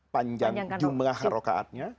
panjang jumlah rokaatnya